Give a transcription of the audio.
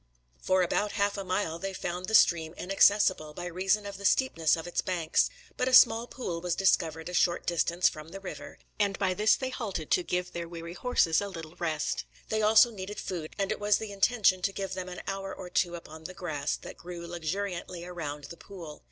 For about half a mile they found the stream inaccessible, by reason of the steepness of its banks; but a small pool was discovered a short distance from the river, and by this they halted to give their weary horses a little rest. These also needed food; and it was the intention to give them an hour or two upon the grass that grew luxuriantly around the pool.